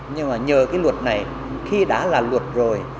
nhưng mà nhờ cái luật này khi đã là luật rồi